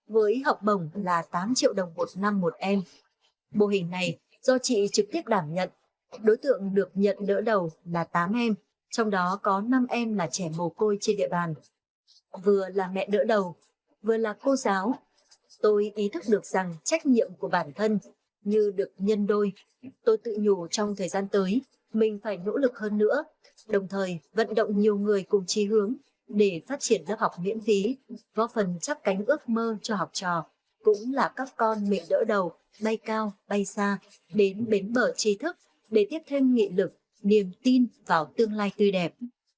vừa là mẹ đỡ đầu vừa là cô giáo tôi ý thức được rằng trách nhiệm của bản thân như được nhân đôi tôi tự nhủ trong thời gian tới mình phải nỗ lực hơn nữa đồng thời vận động nhiều người cùng chi hướng để phát triển lớp học miễn phí vô phần chắc cánh ước mơ cho học trò cũng là các con mẹ đỡ đầu bay cao bay xa đến bến bở chi thức để tiếp thêm nghị lực niềm tin vào tương lai tư đẹp